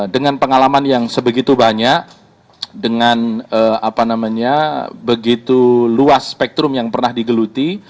dengan pengalaman yang sebegitu banyak dengan begitu luas spektrum yang pernah digeluti